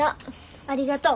ありがとう。